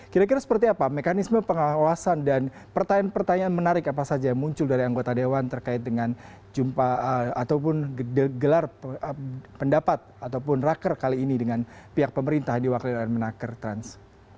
kira kira seperti apa mekanisme pengawasan dan pertanyaan pertanyaan menarik apa saja yang muncul dari anggota dewan terkait dengan jumpa ataupun gelar pendapat ataupun raker kali ini dengan pihak pemerintah diwakili oleh menaker trans